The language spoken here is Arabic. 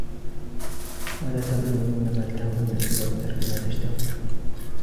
وَلَا تَبْلُغُونَ مَا تَهْوُونَ إلَّا بِتَرْكِ مَا تَشْتَهُونَ